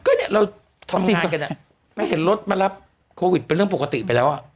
ก็เนี่ยเราทำจริงกันอ่ะไม่เห็นรถมารับโควิดเป็นเรื่องปกติไปแล้วอ่ะ